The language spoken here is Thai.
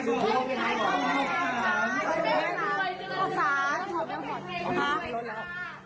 ชอบใจนะ